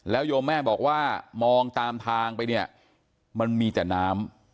โยมแม่บอกว่ามองตามทางไปเนี่ยมันมีแต่น้ำ